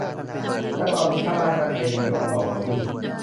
และตอนนี้ ข้างล่างนั่น ไอรีนกำลังรอเขาอยู่